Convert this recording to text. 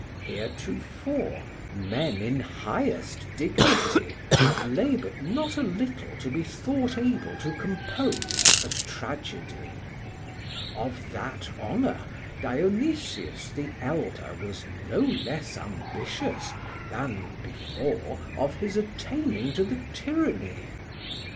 Heretofore Men in highest dignity have labour'd not a little to be thought able to compose a Tragedy. Of that honour Dionysius the elder was no less ambitious, then before of his attaining to the Tyranny.